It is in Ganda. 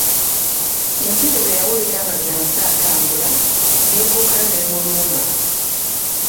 Empisi bwe yawulira nga Byansi atambula, n'ebuukayo n'emulumba!